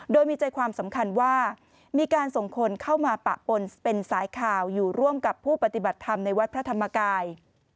โดยมีใจความสำคัญว่ามีการส่งคนเข้ามาปะปนเป็นสายข่าวอยู่ร่วมกับผู้ปฏิบัติธรรมในวัดพระธรรมกาย